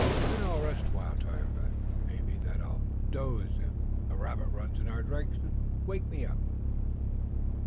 "Then I'll rest awhile, Tayoga, and it may be that I'll doze. If a rabbit runs in our direction wake me up."